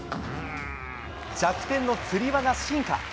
弱点のつり輪が進化。